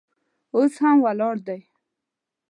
اوس هم ولاړ دی.